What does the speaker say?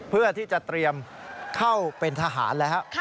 เพื่อที่จะเตรียมเข้าเป็นทหารแล้ว